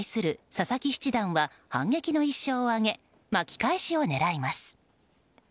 佐々木七段は反撃の１勝を挙げ巻き返しを狙います。